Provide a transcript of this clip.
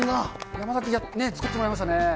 山田君ね、作ってもらいましたね。